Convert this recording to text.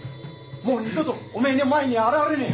もう二度とおめえの前に現れねえよ。